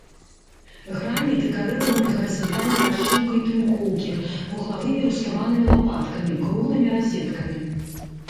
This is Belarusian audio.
Грані дэкарыраваны гарызантальнай расшыўкай тынкоўкі, вуглавымі руставанымі лапаткамі, круглымі разеткамі.